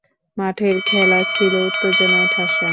মাঠের খেলা ছিল উত্তেজনায় ঠাসা।